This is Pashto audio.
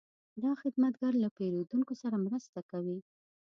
دا خدمتګر له پیرودونکو سره مرسته کوي.